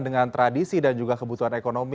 dengan tradisi dan juga kebutuhan ekonomi